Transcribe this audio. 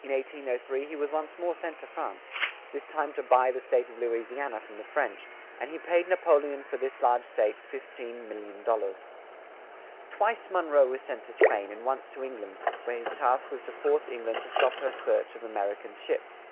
In 1803 he was once more sent to France; this time to buy the State of Lou is i an a from the French, and he paid Na po le on for this large State $15,000,000. Twice Mon roe was sent to Spain and once to Eng land, where his task was to force Eng land to stop her search of A mer i can ships.